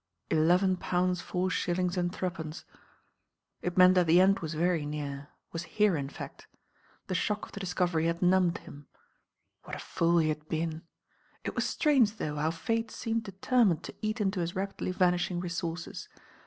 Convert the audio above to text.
Eleven pounds four shillings and threepence! It meant that the end was very near, was here, in fact. The shock of the discovery had numbed hun. What a fool he had been. It was strange, though, how fate seemed determined to eat into his rapidly vanishing resources.